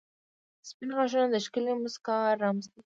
• سپین غاښونه د ښکلې مسکا رمز دی.